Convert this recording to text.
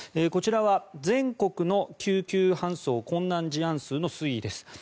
こちらは全国の救急搬送困難事案数の推移です。